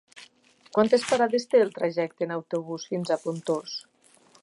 Quantes parades té el trajecte en autobús fins a Pontós?